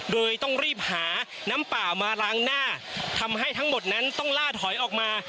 โดยต้องรีบหาน้ำเปล่ามาล้างหน้าทำให้ทั้งหมดนั้นต้องล่าถอยออกมา